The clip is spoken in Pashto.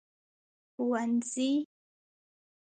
ښوونځي